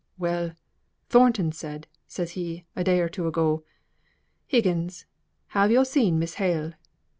"Well! Thornton said says he, a day or two ago, 'Higgins, have yo' seen Miss Hale?